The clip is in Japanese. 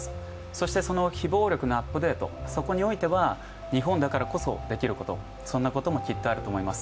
そして、その非暴力のアップデートにおいては日本だからこそできること、そんなこともきっとあると思います。